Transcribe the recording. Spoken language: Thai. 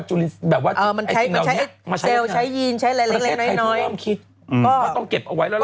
มันใช้เซลล์ใช้ยีนใช้อะไรเล็กน้อย